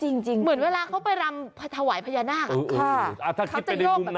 เห็นไหมเหมือนเวลาเขาไปรำถวายพญานาคันค่ะค่ะจะโยกแบบนี้ถ้าคิดไปในมุมนั้นนะ